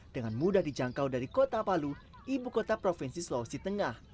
dengan mudah dijangkau dari kota palu ibu kota provinsi sulawesi tengah